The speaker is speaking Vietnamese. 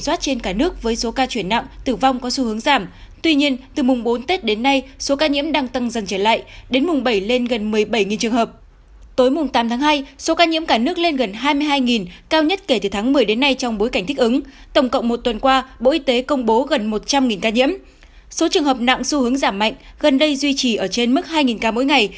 số trường hợp nặng xu hướng giảm mạnh gần đây duy trì ở trên mức hai ca mỗi ngày